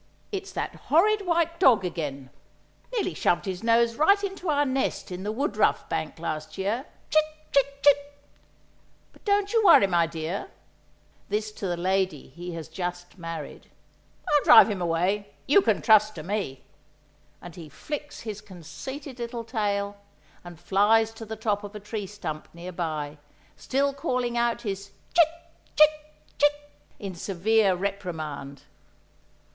it's that horrid white dog again! Nearly shoved his nose right into our nest in the woodruff bank last year! Chit! chit! chit! But don't you worry, my dear" (this to the lady he has just married); "I'll drive him away; you can trust to me," and he flicks his conceited little tail, and flies to the top of a tree stump near by, still calling out his "Chit! chit! chit!" in severe reprimand.